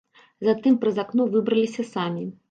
Затым праз акно выбраліся самі.